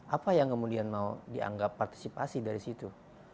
apa yang kemudian mau dianggap partisipasi dari situ